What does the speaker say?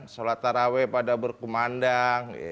sholat harawih pada berkumandang